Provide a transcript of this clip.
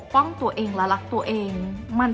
จนดิวไม่แน่ใจว่าความรักที่ดิวได้รักมันคืออะไร